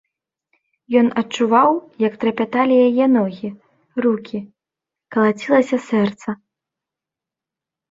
Ён адчуваў, як трапяталі яе ногі, рукі, калацілася сэрца.